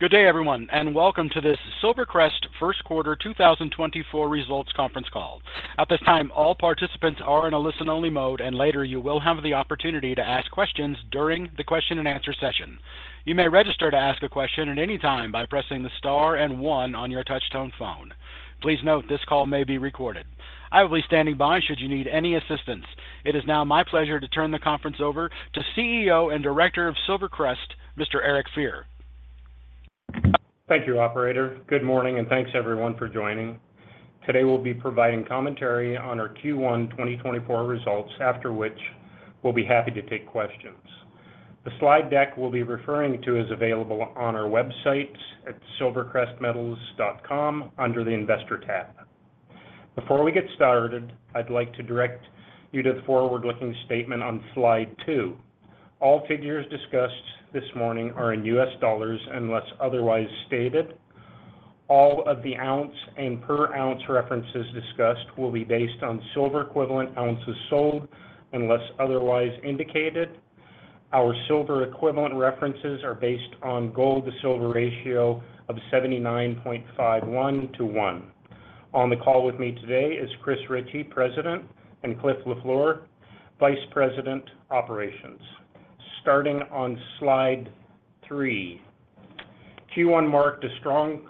Good day, everyone, and welcome to this SilverCrest First Quarter 2024 Results Conference Call. At this time, all participants are in a listen-only mode, and later you will have the opportunity to ask questions during the question and answer session. You may register to ask a question at any time by pressing the star and one on your touchtone phone. Please note, this call may be recorded. I will be standing by should you need any assistance. It is now my pleasure to turn the conference over to CEO and Director of SilverCrest, Mr. Eric Fier. Thank you, operator. Good morning, and thanks everyone for joining. Today, we'll be providing commentary on our Q1 2024 results, after which we'll be happy to take questions. The slide deck we'll be referring to is available on our website at silvercrestmetals.com under the Investor tab. Before we get started, I'd like to direct you to the forward-looking statement on slide two. All figures discussed this morning are in U.S. dollars, unless otherwise stated. All of the ounce and per ounce references discussed will be based on silver equivalent ounces sold, unless otherwise indicated. Our silver equivalent references are based on gold to silver ratio of 79.51/1. On the call with me today is Chris Ritchie, President, and Cliff Lafleur, Vice President, Operations. Starting on slide three. Q1 marked a strong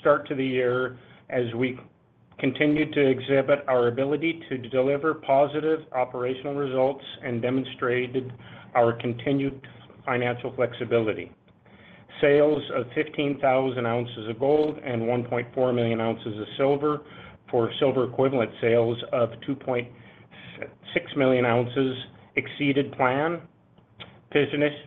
start to the year as we continued to exhibit our ability to deliver positive operational results and demonstrated our continued financial flexibility. Sales of 15,000 ounces of gold and 1.4 million ounces of silver for silver equivalent sales of 2.6 million ounces exceeded plan,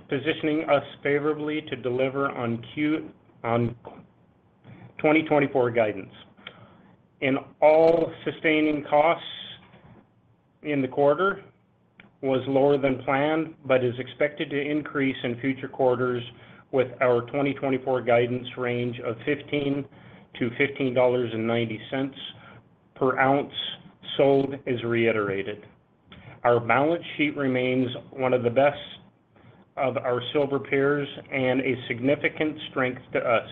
positioning us favorably to deliver on 2024 guidance. All-in sustaining costs in the quarter was lower than planned, but is expected to increase in future quarters with our 2024 guidance range of $15-$15.90 per ounce sold is reiterated. Our balance sheet remains one of the best of our silver peers and a significant strength to us.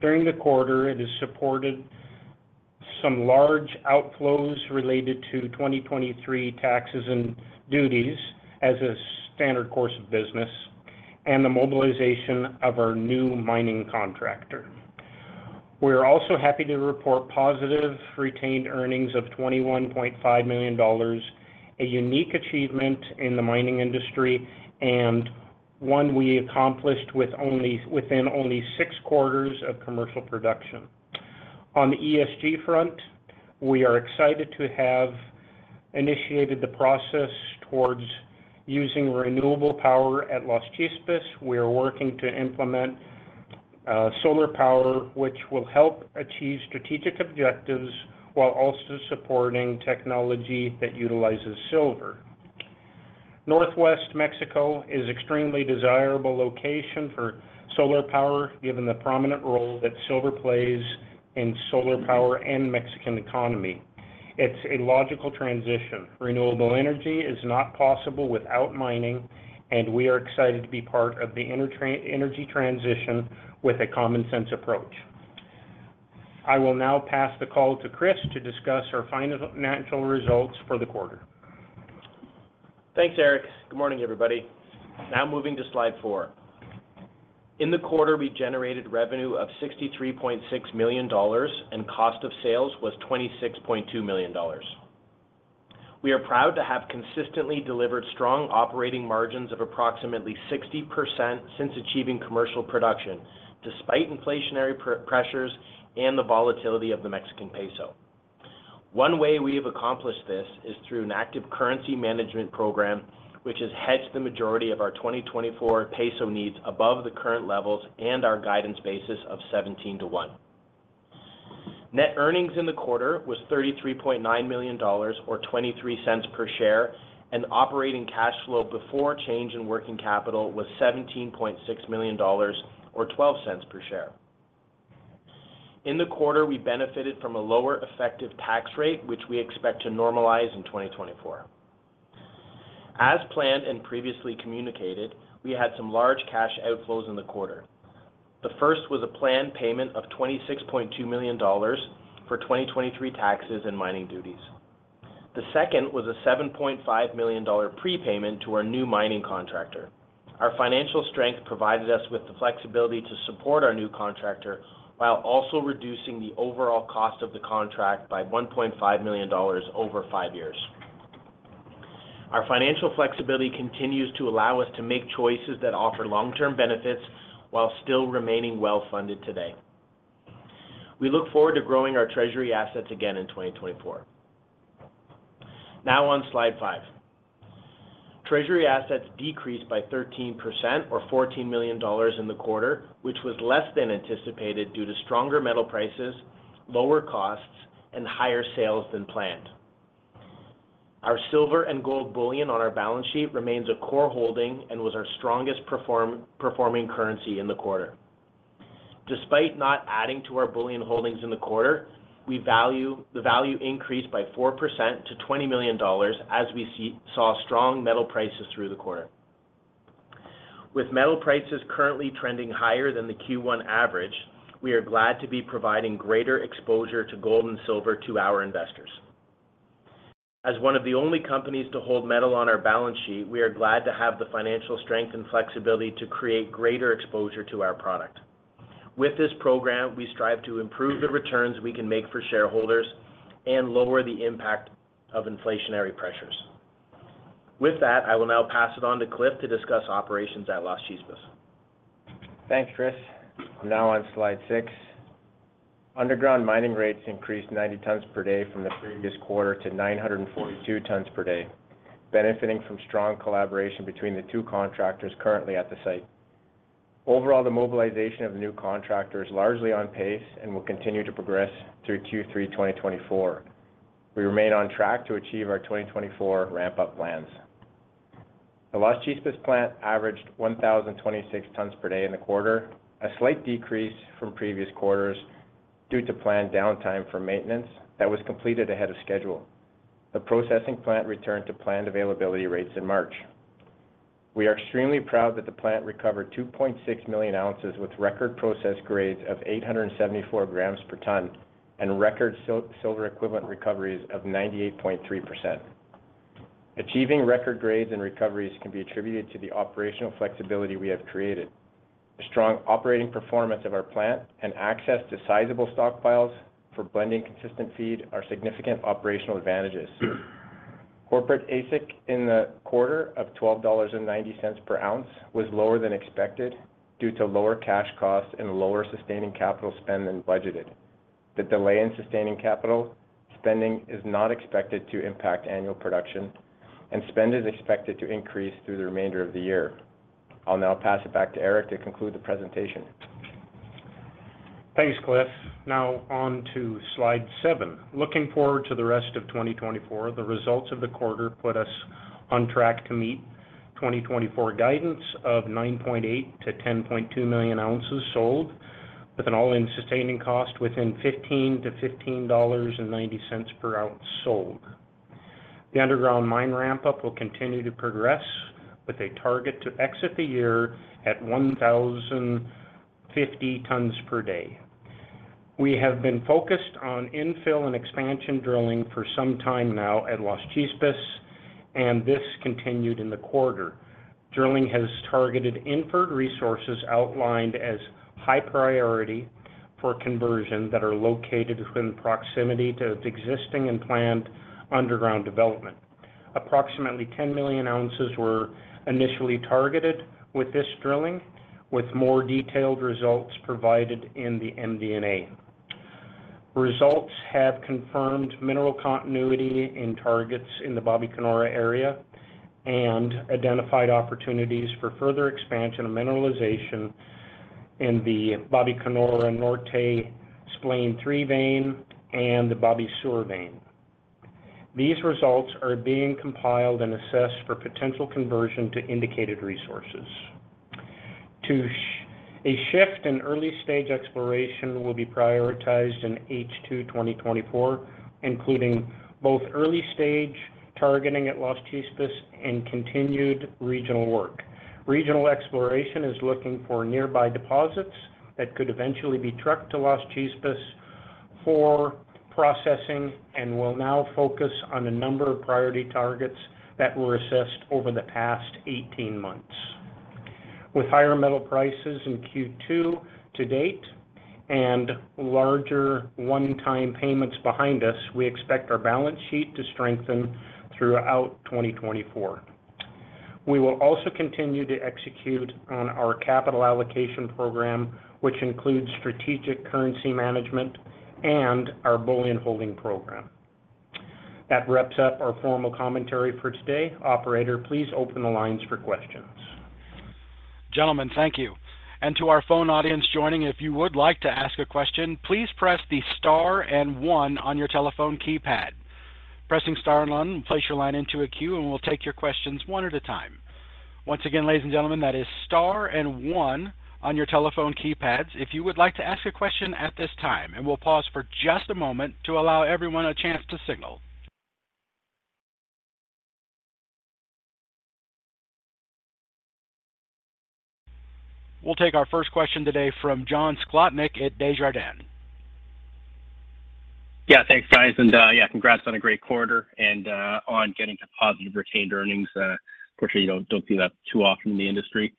During the quarter, it has supported some large outflows related to 2023 taxes and duties as a standard course of business and the mobilization of our new mining contractor. We are also happy to report positive retained earnings of $21.5 million, a unique achievement in the mining industry and one we accomplished within only six quarters of commercial production. On the ESG front, we are excited to have initiated the process towards using renewable power at Las Chispas. We are working to implement solar power, which will help achieve strategic objectives while also supporting technology that utilizes silver. Northwest Mexico is extremely desirable location for solar power, given the prominent role that silver plays in solar power and Mexican economy. It's a logical transition. Renewable energy is not possible without mining, and we are excited to be part of the energy transition with a common-sense approach. I will now pass the call to Chris to discuss our financial results for the quarter. Thanks, Eric. Good morning, everybody. Now moving to slide four. In the quarter, we generated revenue of $63.6 million, and cost of sales was $26.2 million. We are proud to have consistently delivered strong operating margins of approximately 60% since achieving commercial production, despite inflationary pressures and the volatility of the Mexican peso. One way we have accomplished this is through an active currency management program, which has hedged the majority of our 2024 peso needs above the current levels and our guidance basis of 17/1. Net earnings in the quarter was $33.9 million, or $0.23 per share, and operating cash flow before change in working capital was $17.6 million, or $0.12 per share. In the quarter, we benefited from a lower effective tax rate, which we expect to normalize in 2024. As planned and previously communicated, we had some large cash outflows in the quarter. The first was a planned payment of $26.2 million for 2023 taxes and mining duties. The second was a $7.5 million prepayment to our new mining contractor. Our financial strength provided us with the flexibility to support our new contractor while also reducing the overall cost of the contract by $1.5 million over five years. Our financial flexibility continues to allow us to make choices that offer long-term benefits while still remaining well-funded today. We look forward to growing our treasury assets again in 2024. Now on slide five. Treasury assets decreased by 13% or $14 million in the quarter, which was less than anticipated due to stronger metal prices, lower costs, and higher sales than planned. Our silver and gold bullion on our balance sheet remains a core holding and was our strongest performing currency in the quarter. Despite not adding to our bullion holdings in the quarter, the value increased by 4% to $20 million as we saw strong metal prices through the quarter. With metal prices currently trending higher than the Q1 average, we are glad to be providing greater exposure to gold and silver to our investors. As one of the only companies to hold metal on our balance sheet, we are glad to have the financial strength and flexibility to create greater exposure to our product. With this program, we strive to improve the returns we can make for shareholders and lower the impact of inflationary pressures. With that, I will now pass it on to Cliff to discuss operations at Las Chispas. Thanks, Chris. I'm now on slide six. Underground mining rates increased 90 tons per day from the previous quarter to 942 tons per day, benefiting from strong collaboration between the two contractors currently at the site. Overall, the mobilization of the new contractor is largely on pace and will continue to progress through Q3 2024. We remain on track to achieve our 2024 ramp-up plans. The Las Chispas plant averaged 1,026 tons per day in the quarter, a slight decrease from previous quarters due to planned downtime for maintenance that was completed ahead of schedule. The processing plant returned to planned availability rates in March. We are extremely proud that the plant recovered 2.6 million ounces with record process grades of 874 grams per ton and record silver equivalent recoveries of 98.3%. Achieving record grades and recoveries can be attributed to the operational flexibility we have created. The strong operating performance of our plant and access to sizable stockpiles for blending consistent feed are significant operational advantages. Corporate AISC in the quarter of $12.90 per ounce was lower than expected due to lower cash costs and lower sustaining capital spend than budgeted. The delay in sustaining capital spending is not expected to impact annual production, and spend is expected to increase through the remainder of the year. I'll now pass it back to Eric to conclude the presentation. Thanks, Cliff. Now on to slide seven. Looking forward to the rest of 2024, the results of the quarter put us on track to meet 2024 guidance of 9.8 million-10.2 million ounces sold, with an all-in sustaining cost within $15-$15.90 per ounce sold. The underground mine ramp-up will continue to progress, with a target to exit the year at 1,050 tons per day. We have been focused on infill and expansion drilling for some time now at Las Chispas, and this continued in the quarter. Drilling has targeted inferred resources outlined as high priority for conversion that are located within proximity to its existing and planned underground development. Approximately 10 million ounces were initially targeted with this drilling, with more detailed results provided in the MD&A. Results have confirmed mineral continuity in targets in the Babicanora area and identified opportunities for further expansion of mineralization in the Babicanora Norte Splay 3 vein and the Babisur vein. These results are being compiled and assessed for potential conversion to indicated resources. A shift in early-stage exploration will be prioritized in H2 2024, including both early stage targeting at Las Chispas and continued regional work. Regional exploration is looking for nearby deposits that could eventually be trucked to Las Chispas for processing and will now focus on a number of priority targets that were assessed over the past 18 months. With higher metal prices in Q2 to date and larger one-time payments behind us, we expect our balance sheet to strengthen throughout 2024. We will also continue to execute on our capital allocation program, which includes strategic currency management and our bullion holding program. That wraps up our formal commentary for today. Operator, please open the lines for questions. Gentlemen, thank you. To our phone audience joining, if you would like to ask a question, please press the star and one on your telephone keypad. Pressing star and one will place your line into a queue, and we'll take your questions one at a time. Once again, ladies and gentlemen, that is star and one on your telephone keypads if you would like to ask a question at this time, and we'll pause for just a moment to allow everyone a chance to signal. We'll take our first question today from John Sclodnick at Desjardins. Yeah, thanks, guys. And, yeah, congrats on a great quarter and, on getting to positive retained earnings. Of course, you don't see that too often in the industry.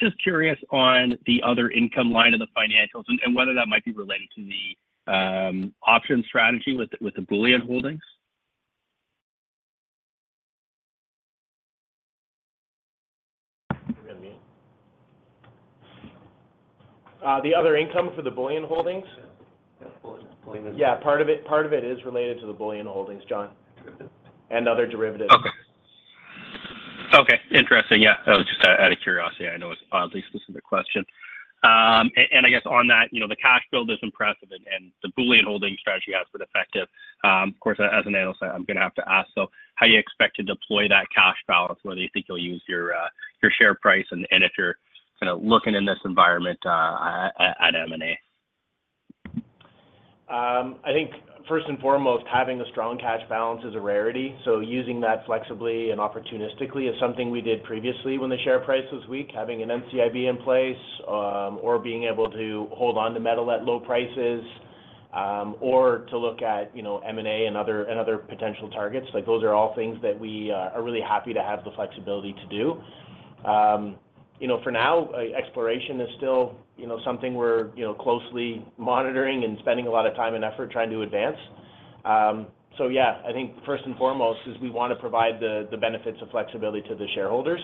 Just curious on the other income line of the financials and whether that might be related to the option strategy with the bullion holdings? The other income for the bullion holdings? Yeah, bullion. Yeah, part of it, part of it is related to the bullion holdings, John. And other derivatives. Okay. Okay, interesting. Yeah, that was just out of curiosity. I know it's an oddly specific question. And, and I guess on that, you know, the cash build is impressive and, and the bullion holding strategy has been effective. Of course, as an analyst, I'm going to have to ask, so how do you expect to deploy that cash balance? Whether you think you'll use your, your share price and, and if you're kind of looking in this environment, at, at M&A? I think first and foremost, having a strong cash balance is a rarity, so using that flexibly and opportunistically is something we did previously when the share price was weak. Having an NCIB in place, or being able to hold on to metal at low prices, or to look at, you know, M&A and other, and other potential targets, like, those are all things that we are really happy to have the flexibility to do. You know, for now, exploration is still, you know, something we're, you know, closely monitoring and spending a lot of time and effort trying to advance. So yeah, I think first and foremost is we wanna provide the benefits of flexibility to the shareholders.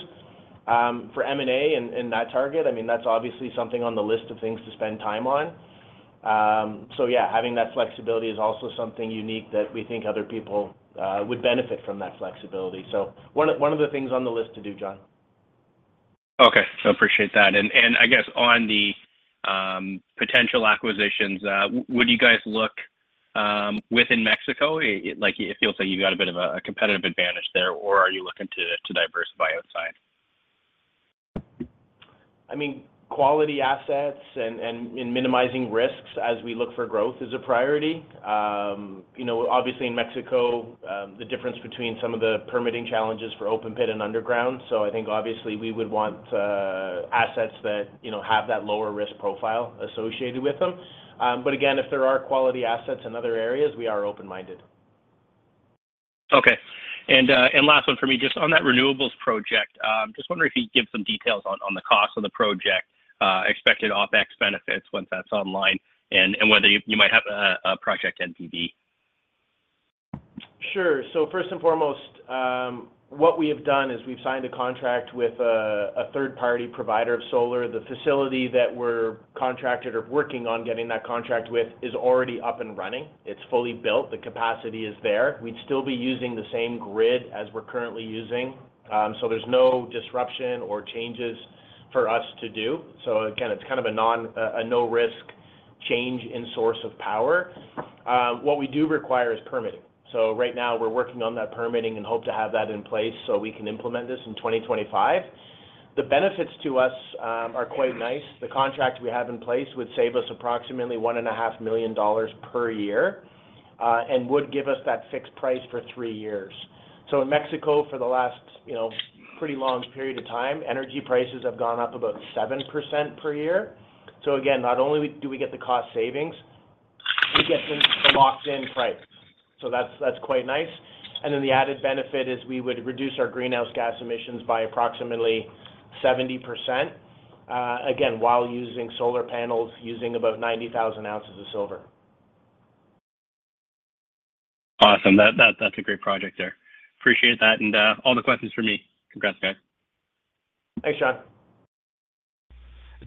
For M&A and that target, I mean, that's obviously something on the list of things to spend time on. So yeah, having that flexibility is also something unique that we think other people would benefit from that flexibility. So one of the things on the list to do, John. Okay, I appreciate that. I guess on the potential acquisitions, would you guys look within Mexico? It like it feels like you've got a bit of a competitive advantage there, or are you looking to diversify outside? I mean, quality assets and minimizing risks as we look for growth is a priority. You know, obviously, in Mexico, the difference between some of the permitting challenges for open pit and underground, so I think obviously we would want assets that, you know, have that lower risk profile associated with them. But again, if there are quality assets in other areas, we are open-minded. Okay. And last one for me, just on that renewables project, just wondering if you'd give some details on the cost of the project, expected OpEx benefits once that's online, and whether you might have a project NPV. Sure. First and foremost, what we have done is we've signed a contract with a third-party provider of solar. The facility that we're contracted or working on getting that contract with is already up and running. It's fully built. The capacity is there. We'd still be using the same grid as we're currently using, so there's no disruption or changes for us to do. So again, it's kind of a non- a no-risk change in source of power. What we do require is permitting. So right now, we're working on that permitting and hope to have that in place, so we can implement this in 2025. The benefits to us are quite nice. The contract we have in place would save us approximately $1.5 million per year, and would give us that fixed price for three years. So in Mexico, for the last, you know, pretty long period of time, energy prices have gone up about 7% per year. So again, not only do we get the cost savings, we get the locked-in price. So that's quite nice. And then the added benefit is we would reduce our greenhouse gas emissions by approximately 70%, again, while using solar panels, using about 90,000 ounces of silver. Awesome. That, that's a great project there. Appreciate that, and all the questions for me. Congrats, guys. Thanks, John.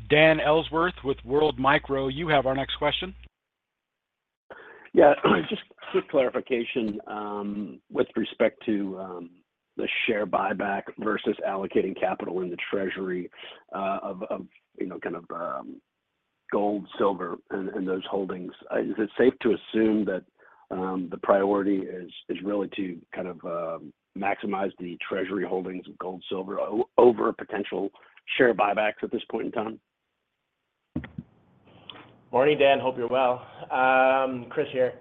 Dan Ellsworth with World Micro, you have our next question. Yeah, just quick clarification with respect to the share buyback versus allocating capital in the treasury of you know kind of gold, silver, and those holdings. Is it safe to assume that the priority is really to kind of maximize the treasury holdings of gold, silver over potential share buybacks at this point in time? Morning, Dan, hope you're well. Chris here.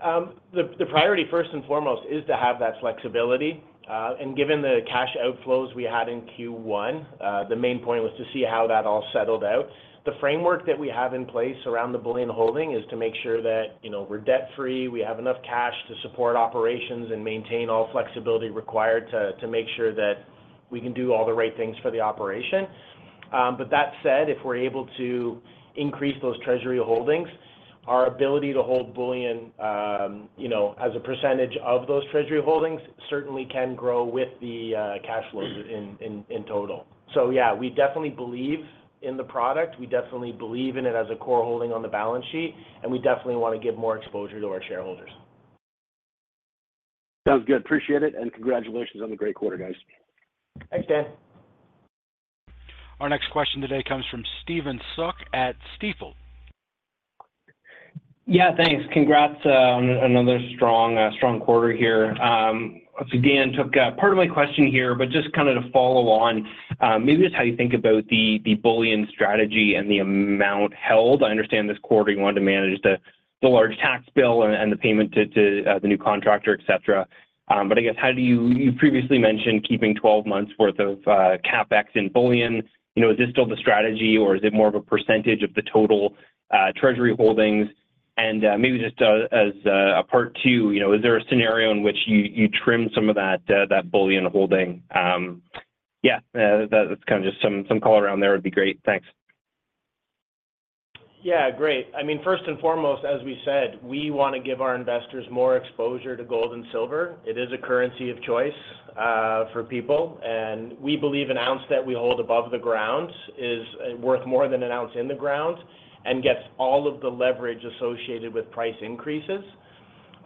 The priority, first and foremost, is to have that flexibility, and given the cash outflows we had in Q1, the main point was to see how that all settled out. The framework that we have in place around the bullion holding is to make sure that, you know, we're debt-free, we have enough cash to support operations and maintain all flexibility required to make sure that we can do all the right things for the operation. But that said, if we're able to increase those treasury holdings, our ability to hold bullion, you know, as a percentage of those treasury holdings, certainly can grow with the cash flows in total. So yeah, we definitely believe in the product. We definitely believe in it as a core holding on the balance sheet, and we definitely want to give more exposure to our shareholders. Sounds good. Appreciate it, and congratulations on the great quarter, guys. Thanks, Dan. Our next question today comes from Stephen Soock at Stifel. Yeah, thanks. Congrats on another strong, strong quarter here. So Dan took part of my question here, but just kind of to follow on, maybe just how you think about the, the bullion strategy and the amount held. I understand this quarter you wanted to manage the, the large tax bill and, and the payment to, to, the new contractor, et cetera. But I guess, how do you, you previously mentioned keeping 12 months worth of CapEx in bullion. You know, is this still the strategy, or is it more of a percentage of the total, treasury holdings? And, maybe just, as, a part two, you know, is there a scenario in which you, you trim some of that, that bullion holding? Yeah, just kind of some color around there would be great. Thanks. Yeah, great. I mean, first and foremost, as we said, we wanna give our investors more exposure to gold and silver. It is a currency of choice for people, and we believe an ounce that we hold above the ground is worth more than an ounce in the ground and gets all of the leverage associated with price increases.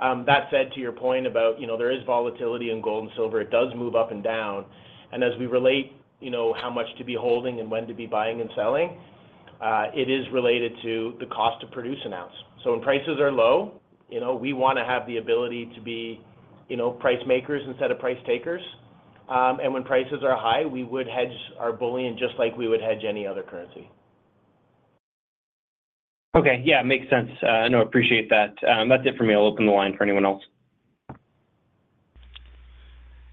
That said, to your point about, you know, there is volatility in gold and silver, it does move up and down, and as we relate, you know, how much to be holding and when to be buying and selling, it is related to the cost to produce an ounce. So when prices are low, you know, we wanna have the ability to be, you know, price makers instead of price takers. When prices are high, we would hedge our bullion, just like we would hedge any other currency. Okay, yeah, makes sense. No, appreciate that. That's it for me. I'll open the line for anyone else.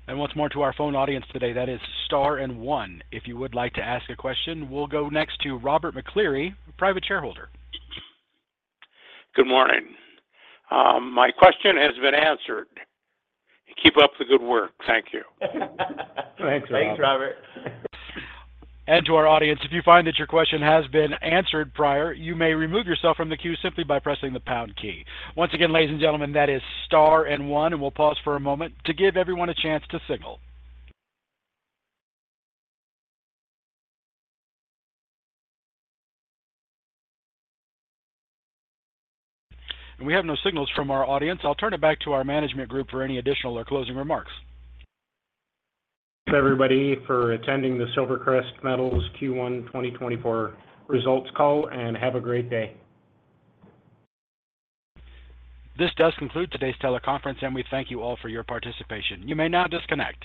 Once more to our phone audience today, that is star and one. If you would like to ask a question, we'll go next to Robert McCleary, private shareholder. Good morning. My question has been answered. Keep up the good work. Thank you. Thanks, Robert. To our audience, if you find that your question has been answered prior, you may remove yourself from the queue simply by pressing the pound key. Once again, ladies and gentlemen, that is star and one, and we'll pause for a moment to give everyone a chance to signal. We have no signals from our audience. I'll turn it back to our management group for any additional or closing remarks. Thanks, everybody, for attending the SilverCrest Metals Q1 2024 results call, and have a great day. This does conclude today's teleconference, and we thank you all for your participation. You may now disconnect.